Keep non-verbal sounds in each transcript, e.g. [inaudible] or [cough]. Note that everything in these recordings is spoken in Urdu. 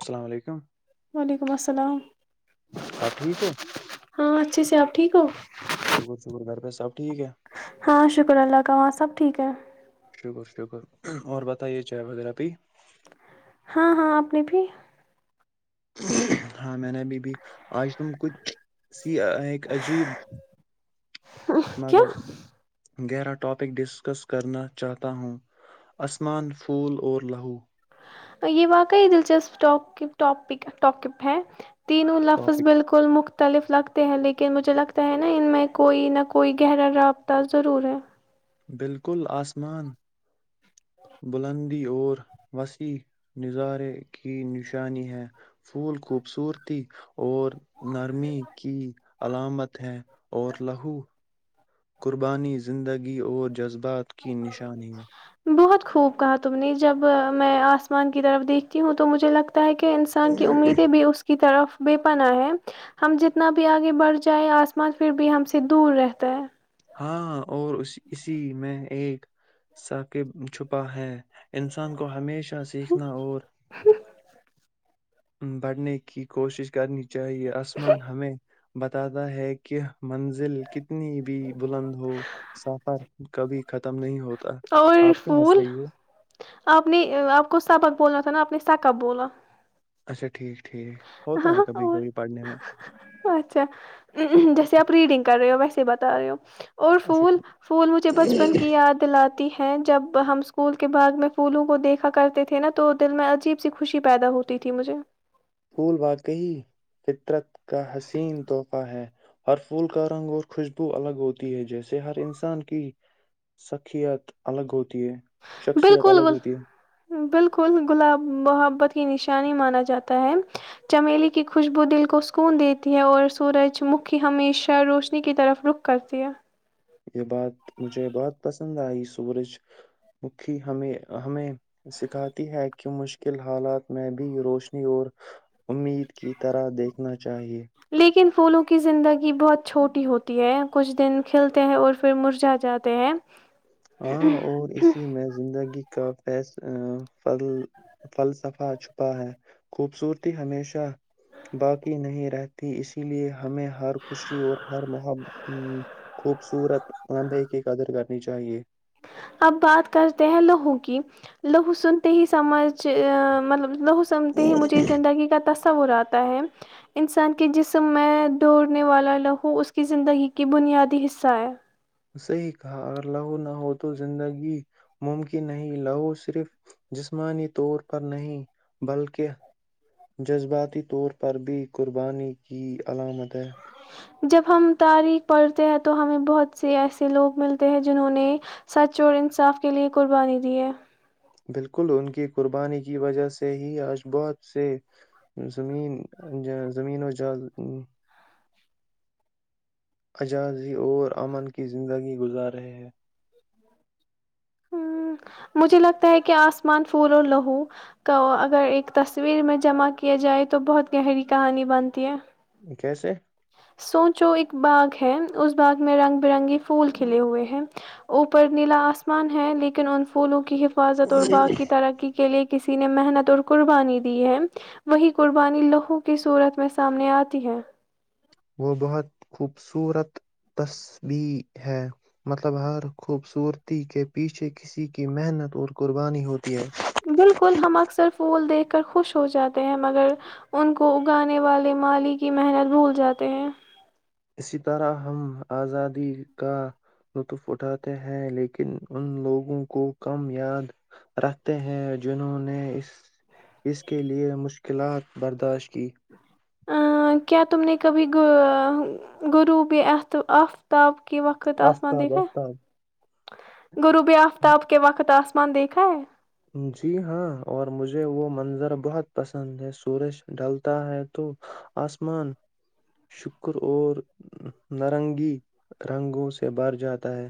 السلام علیکم وعلیکم السلام آپ ٹھیک ہو ہاں اچھے سے آپ ٹھیک ہو شکر شکر گھر پہ سب ٹھیک ہے ہاں شکر اللہ کا وہاں سب ٹھیک ہے شکر شکر اور بتائیے چائے وغیرہ بھی ہاں ہاں آپ نے بھی ہ ہاں میں نے ابھی بھی آج تم کچھ سی ایک عجیب مگر کیا گیرہ ٹاپک ڈسکس کرنا چاہتا ہوں آسمان پھول اور لہو یہ واقعی دلچسپ ٹاپپ ہے تینوں لفظ ٹاپک بالکل مخت مختلف لگتے ہیں لیکن مجھے لگتا ہے نا ان میں کوئی نہ کوئی گہرا رابطہ ضرور ہے بالکل آسمان بلندی اور وسیع نظارے کی نشانی ہے پھول خوبصورتی اور نرمی کی علامت ہے اور لہو قربانی زندگی اور جذبہ بات کی نشانی ہے بہت خوب کہا تم نے جب میں آسمان کی طرف دیکھتی ہوں تو مجھے لگتا ت کہہ انسان کی امیدیں بھی اس کی طرف بے پنا ہے ہم جتنا بھی آگے بڑھ جائےیں آسمان پھر بھی ہم سے دور رہتا ہے ہاں اور اس اسی میں ایک سااکب چھپا ہے انسان کو ہمیشہ سیکھنا اور بڑھنے کی کوشش کرنی چاہیے آسمان ہمیں بتاتا ہے کہ منزل کتنی بھی بلند ہو سفر کبھی خ اور پول آپ نے آپ کو سبق بولنا تھا نا آپ نے ت کا بلا [unintelligible] اچھا ٹھیک ٹھیک ہ ہوتا ہے کبھی کبھی پڑھنے میں اچھا جیسے آپ ریڈنگ کر رہے ہو ویسے سے بتا رہے ہو [unintelligible] اور اچھا پھول پھول مجھے بچپن ٹھیک کی یاد دلاتا جب ہم اسکول کے باگ میں پھولوں کو دیکھا کرتے تھے نا تو دل میں عجیب سی خوشی پیدا ہوتی تھی مجھے پھول واقعی فطرت کا حسین تحفہ ہے ہر پھول کا رنگ اور خوشبو الگ ہوتی ہے جیسے ہر انسان کی سخیت الگ ہوتی ہے شخصیت بالکل الگ ہوتی ہے بالکل گلاب محبت کی نش انی مانا جاتا ہے چمیلی کی خوشبو دل کو سکون دیتی ہے اور سورج مکھی ہمیشہ روشنی کی طرف رخ کرتی ہے یہ بات مجھے بہت پسند آئی سورج مکھی ہمیں ہمیں سکھاتی ہے کہ مشکل حالات میں بھی روشنی اور امید کی طرح دیکھنا چاہیے لیکن پھولوں کی زندگی بہت چھوٹی ہوتی ہے کچھ دن کھلتے ہیں اور پھر مرجا جاتے ہیں ہاں اور اسی میں زندگی کا فی ف فلسفہ چھپا ہے خوبصورتی ہمیشہ باقی نہیں رہتی اسی لیے ہمیں ہر خوشی اور ہر محب خوبصورت لمبے کی قدر کرنی چاہیے [unintelligible] اب بات کرتے ہیں لہو کی لہو سنتے ہی سمجھ مطلب ل سمتے ہی مجھے اس زندگی کا [unintelligible] ت سابراتا ہے انسان کے جسم میں دوڑنے والا لہو اس کی زندگی کی بنیادی حصہ ہے [unintelligible] سے ہی کہا اگر لہو نہ ہو تو زندگی ممکن نہیں لہو صرف جسمانی طور پر نہیں بلکہ جذباتی طور پر بھی قربانی کی علامت [unintelligible] جب ہم تاریخ پڑھتے ہیں تو ہمیں بہت سے ایسے لوگ ملتے ہیں جنہوں نے سچ اور انصاف کے لیے قربانی دی ہے [unintelligible] بالکل ان کی قربانی کی وجہ سے ہی آج بہت سے ز زمینوں ج [unintelligible] اجازی اور امن کی زندگی گزار رہے ہیں ہ مجھے لگتا ہے کہ آسمان پھول اور لہو کا اگر ایک تصویر میں جمع کیا جائے تو بہت گہری کہانی بنتی ہے کیسے [unintelligible] سوچو ایک باغ ہے اس باغ میں رنگ برنگی پھول کھلے ہوئے ہیں اوپر نیلا آسمان ہے لیکن ان پھولوں کی حف حفاظت اور باغ کی ترقی کے لیے [unintelligible] کسی نے محنت اور قربانی دی ہے وہی قربانی لہو کی صورت میں سامنے آتی ہے [unintelligible] وہ بہت خوبصورت تصبیح ہے مطلب ہر خوبصورتی کے پیچھے کسی کی محنت اور قربانی ہوتی ہے بالکل ہم اکثر پھول دیکھ کر خوش ہو جاتے ہیں مگر ان کو اگانے والے مالی کی محنت بھول جاتے ہیں [unintelligible] اسی طرح ہم آزادی کا لطف اٹھاتے ہیں لیکن ان لوگوں کو کم یاد رکھتے ہیں جنہوں نے اس کے لئے مشکلات برداشت کی ا کیا تم نے کبھی گغرو بی ات آفتاب [unintelligible] کے وقت آسمان آفتاب دیکھا آفتاب غروبی آفتاب کے وقت آسمان [unintelligible] مان دیکھا ہے [unintelligible] جی ہاں اور مجھے وہ منظر بہت پسند ہے سورج ڈلتا ہے تو آسمان شکر اور نارنگی رنگوں سے بر جاتا ہے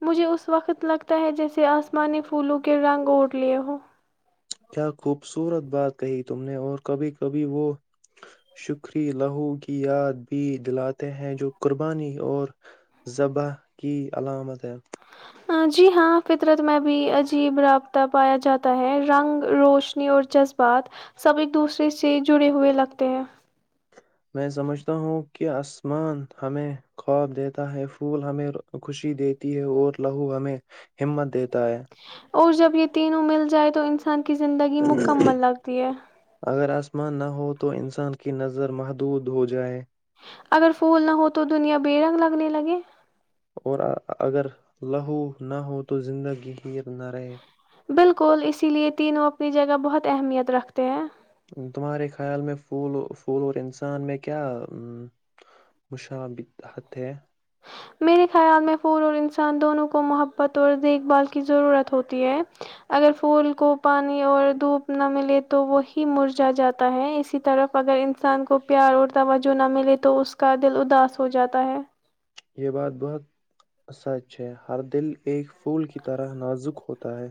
مجھے اس وقت لگتا ہے جیسے آسمانی پھولوں کے رنگ اوڑ لیے ہو کیا خوبصورت بات کہی تم نے اور کبھی کبھی وہ شکری لہو کی یاد بھی دلاتے ہیں جو قربانی اور ذبح کی علامت ہے جی ہاں فطرت میں بھی عجیب رابطہ پایا جاتا ہے رنگ روشنی اور جذبات سب ایک دوسرے سے جڑے ہوئے لگتے ہیں میں سمجھتا ہوں کہ آسمان ہمیں خواب دیتا ہے پھول ہمیں خوشی دی تی ہے اور لہو ہمیں [unintelligible] ہممت دیک دایںں [unintelligible] اور جب یہ تینوں مل جائے تو انسان [unintelligible] کی زندگی مکمل لگتی ہے [unintelligible] اتما نہ ہو تو انسان کی نظر محدود ہو جائے [unintelligible] اگر پھول نہ ہو تو دنیا بے رنگ لگنے لگے اور اگر لہو نہ ہو تو زندگی ہیر نہ رہے [unintelligible] بالکل اسی لیے تینوں اپنی جگہ بہت اہمیت رکھتے ہیں [unintelligible] تمہارے خیال میں پول پھول اور انسان میں کیا مشابت ہے میرے خیال میں پھول اور انسان دونوں کو محبت اور دیکھ بھال کی ضرورت ہوتی ہے اگر پھول کو پانی اور دھوپ نہ ملے تو وہی مرجا جاتا ہے اسی طرف اگر انسان کو پیار اور توجہ نہ ملے تو اس کا دل اداس ہو جاتا ہے یہ بات بہت سچ ہے ہر دل ایک پھول کی طرح نازک ہوتا ہے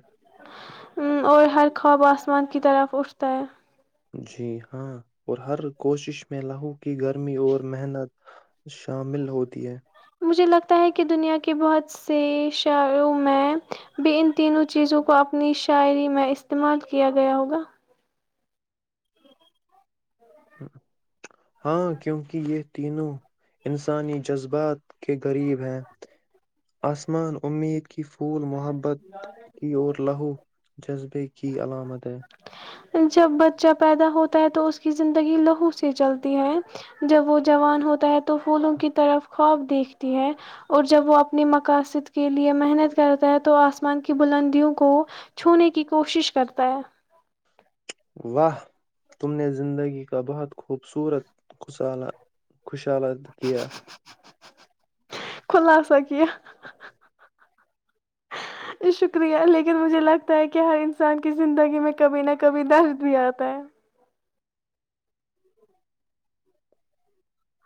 اور ہر خواب آسمان کی طرف اٹھتا ہے جی ہاں اور ہر کوشش میں لہو کی گرمی اور محنت شامل ہوتی ہے مجھے لگتا ہے کہ دنیا کے بہت سے شاعروں میں بھی ان تینوں چیزوں کو اپنی شاعری میں استعمال کیا گیا ہوگا ہاں کیونکہ یہ تینوں انسانی جذبات کے غریب ہیں آسمان امید کی پھول محبت کی اور لہو جذبے کی علامت ہے جب بچہ پیدا ہوتا ہے تو اس کی زندگی لہو سے چلتی ہے جب وہ جوان ہوتا ہے تو پھولوں کی طرف خواب دیکھ اور جب وہ اپنے مقاصد کے لیے محنت کرتا ہے تو آسمان کی بلندیوں کو چھونے کی کوشش کرتا ہے واہ تم نے زندگی کا بہت خوبصورت خسالہ خوشالہ کیا خلاصہ کیا شکریہ لیکن مجھے لگتا ہے کہ ہر انسان کی زندگی میں کبھی نہ کبھی درد بھی آتا ہے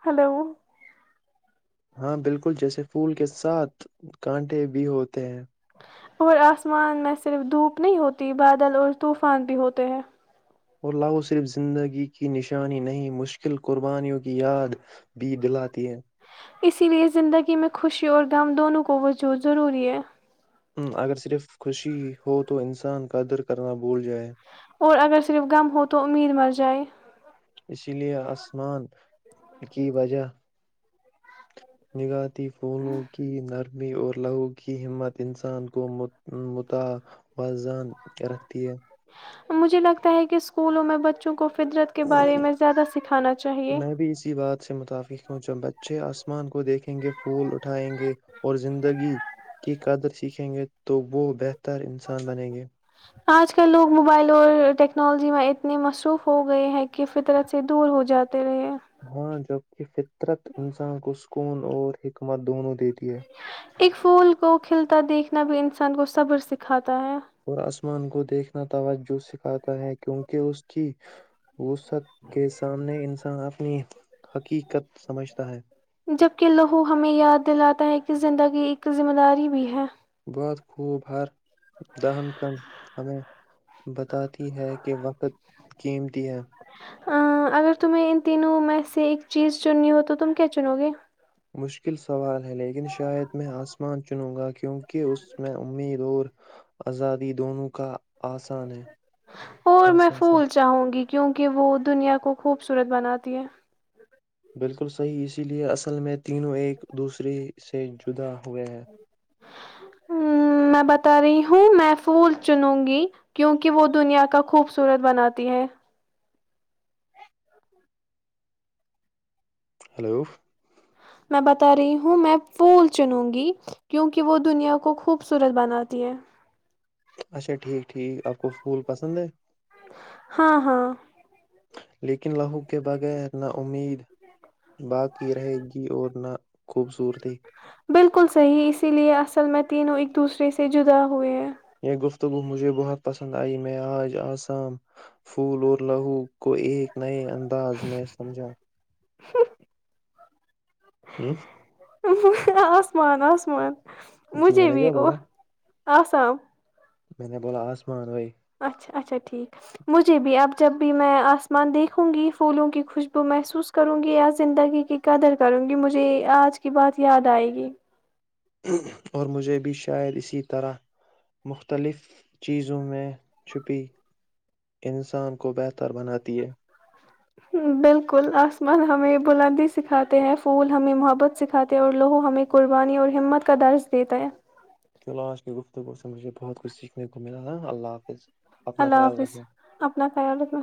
ہلو [inaudible] ہاں بالکل جیسے پھول کے ساتھ کانٹے بھی ہوتے ہیں اور آسمان میں صرف دھوپ نہیں ہوتی بادل اور طوفان بھی ہوتے ہیں اور لاہور صرف زندگی کی نشانی نہیں، مشکل قربانیوں کی یاد بھی دلاتی ہے اسی لیے زندگی میں خوشی اور غم دونوں کو وجود ضروری ہے ہ اگر صرف خوشی ہو تو انسان قدر کرنا بھول جائے اور اگر صرف غم ہو تو امید مر جائے اسی لیے آسمان کی وجہ نگاہ پھولوں کی نرک می اور لہو کی ہمت انسان کو متوزان رکھتی ہے مجھے لگتا ہے کہ اسکولوں میں بچوں کو فدرت کے ہے بارے میں زیادہ سکھانا چاہیئے سونچ بچے آسمان کو دیکھیں گے پھول اٹھائیں گے اور زندگی کی قدر سیکھیں گے تو و بیتھ تر انسان بنیں گے آج کل لوگ موبائل اور ٹیکنالوجی میں اتنے مصروف ہو گئے ہیں کہ فطرت سے دور ہو جاتا ہاں جو کہ ف قطرت انسان کو سکون اور حکمت دونوں دت ایک پھول کو کھلتا دیکھ ن نہ ب ا انسان گو صبر سکھاتا کتاایاں اور کو دیکھنا توجہ سکھاتا ہے کیونکہ اس کی وسط کے سامنے انسان اپنی حقیقت سمجھتا ہے جبک لہو ہمیں یاد دلاتا ہے کہ زندگی یہ ایک ذمہ داری بھی ہے بعت خوب ہر دہن کن ہمیں بتاتی ہے کہ وقت قیمتی ہے اگر تمہیں ان تینوں میں سے ایک چیز چننی ہو تو تم کیا چنو گے مشکل سوال ہے لیکن شاید میں آسمان چنوں گا کیوںہ [unintelligible] کہ اس میں امید اور [unintelligible] آزادی دونوں کا [unintelligible] ہے اور میں احساس ہے پھول چاہوں گی کیونکہ وہ دنیا کو خوبصورت بناتا [unintelligible] تی ہے [unintelligible] بالکل صحیح اسی لیے اصل میں تینوں ایک دوسرے سے جدا [unintelligible] ہ میں بتا رہی ہوں [unintelligible] ہوں میں پھول چنوں گی کیونک وہ دنیا کا خوبصورت بناتی ہے [unintelligible] ہلو [inaudible] میں بتا رہی ہوں میں پھول چنوں گی کیونکہ وہ دنیا کو خوبصورت بناتی ہے [unintelligible] اچھا ٹھیک ٹھیک آپ کو پھول پسند ہے [unintelligible] ہاں ہاں [unintelligible] لیکن لہو کے بغیر نہ امید باقی رہے گی اور نہ [unintelligible] بالکل صحیح اسی لیے اصل میں تینوں [unintelligible] دوسرے سے جدا ہوئے ہے [unintelligible] یہ گفتگو مجھے بہت پسند آئی میں آج آسام پھول اور لہو کو ایک نئے ان [unintelligible] انداز میں سمجھا [unintelligible] ا آسمان آسمان [inaudible] جی میں مجھے نے بھی کیا او بولا [unintelligible] آسام [inaudible] میں نے بولا آسمان بھائی [unintelligible] اچھا اچھا ٹھیک مجھے بھی اب جب بھی میں آسمان دیکھوں گی پھولوں کی خوشبو محسوس کروں گی یا زندگی کی قدر کروں گی مجھے آج کی بات یاد آئے گی [unintelligible] اور مجھے بھی شاید اسی طرح مختلف چیزوں میں چھپی انسان کو بہتر بناتی ہے بالکل آسمان ہمیں بلندی سکھاتے ہیں پھول ہمیں محبت سکھاتے ہیں اور لوہو ہمیں قربانی اور ہمت کا درس دیتا ہے تو آج کی گفتگو سے مجھے بہت کچھ سیکھنے کو ملا تھا اللہ حافظ اپنا اللہ خیال حافظ رکھنا اپنا خیال رکھنا